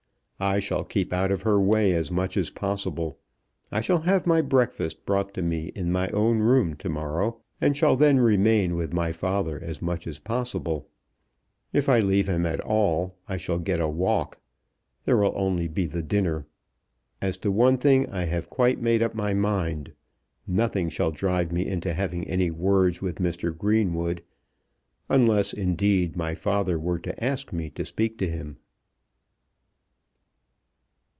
I shall keep out of her way as much as possible. I shall have my breakfast brought to me in my own room to morrow, and shall then remain with my father as much as possible. If I leave him at all I shall get a walk. There will only be the dinner. As to one thing I have quite made up my mind. Nothing shall drive me into having any words with Mr. Greenwood; unless, indeed, my father were to ask me to speak to him."